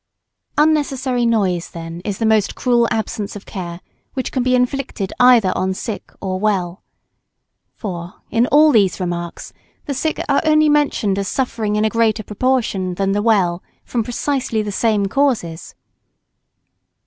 Unnecessary noise, then, is the most cruel absence of care which can be inflicted either on sick or well. For, in all these remarks, the sick are only mentioned as suffering in a greater proportion than the well from precisely the same causes.